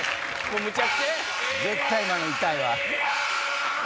絶対今の痛いわ。